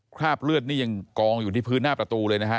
คราบเลือดนี่ยังกองอยู่ที่พื้นหน้าประตูเลยนะฮะ